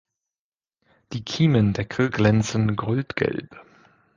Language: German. Die Kiemendeckel glänzen goldgelb.